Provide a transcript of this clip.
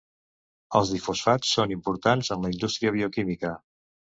Els difosfats són importants en la indústria bioquímica.